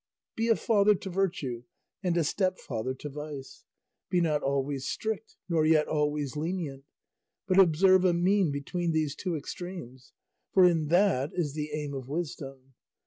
Be a father to virtue and a stepfather to vice. Be not always strict, nor yet always lenient, but observe a mean between these two extremes, for in that is the aim of wisdom.